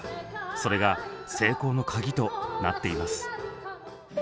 それが成功のカギとなっています。